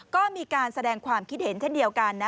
ก็มีการแสดงความคิดเห็นเช่นเดียวกันนะ